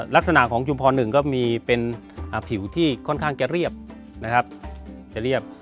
ลักษณะของจุมพร๑ก็มีเป็นผิวที่ค่อนข้างเรียบ